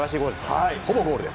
ほぼゴールです。